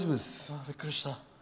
ああ、びっくりした。